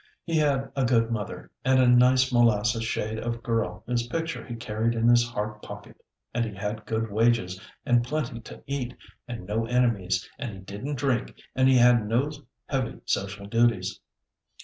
He had a good mother, and a nice molasses shade of girl whose picture he carried in his heart pocket, and he had good wages and plenty to eat, and no enemies, and he didn't drink, and he had no heavy social duties.